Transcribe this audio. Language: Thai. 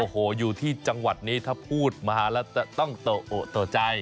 โอ้โหอยู่ที่จังหวัดนี้ถ้าพูดมาแล้วต้องโตใจ